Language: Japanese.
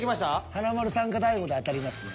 華丸さんか大悟で当たりますね。